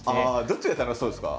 どっちが楽しそうですか？